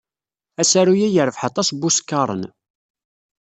Asaru-a yerbeḥ aṭas n wuskaṛen.